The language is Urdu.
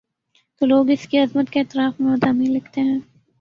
تو لوگ اس کی عظمت کے اعتراف میں مضامین لکھتے ہیں۔